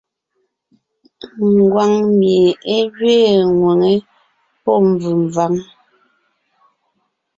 Ngwáŋ mie é gẅiin ŋwʉ̀ŋe (P), pɔ́ mvèmváŋ (K).